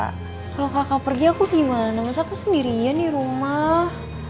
kalau kakak pergi aku ke mana masa aku sendirian di rumah